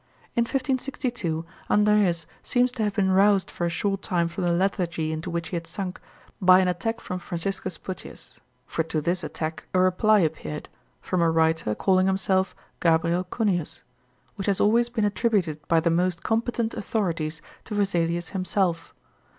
In 1562 Andreas seems to have been roused for a short time from the lethargy into which he had sunk, by an attack from Franciscus Puteus; for to this attack a reply appeared from a writer calling himself Gabriel Cuneus which has always been attributed by the most competent authorities to Vesalius himself.